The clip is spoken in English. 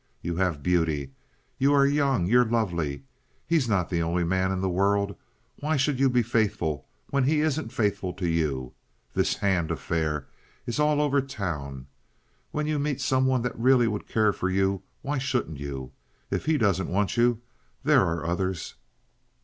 "You have beauty; you are young; you're lovely. He's not the only man in the world. Why should you be faithful when he isn't faithful to you? This Hand affair is all over town. When you meet some one that really would care for you, why shouldn't you? If he doesn't want you, there are others."